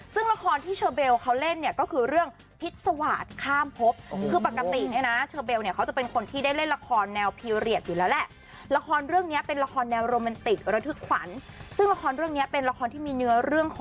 ซึ่งละครที่เชอเบลเขาเล่นเนี่ยก็คือเรื่อง